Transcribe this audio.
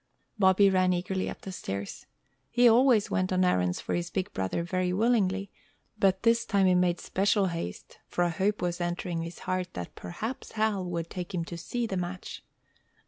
Bobby ran eagerly up the stairs. He always went on errands for his big brother very willingly, but this time he made special haste; for a hope was entering his heart that perhaps Hal would take him to see the match.